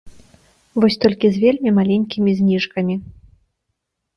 Вось толькі з вельмі маленькімі зніжкамі.